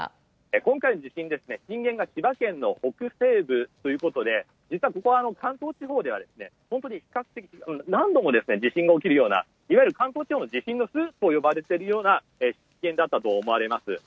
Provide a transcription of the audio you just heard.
今回の地震、震源が千葉県の北西部ということで実はここは関東地方では特に比較的、何度も地震が起きるような関東地方の地震の巣と呼ばれているような震源地だったと思います。